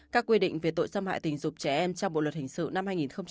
các quy định về tội xâm hại tình dục trẻ em trong bộ luật hình sự năm hai nghìn một mươi năm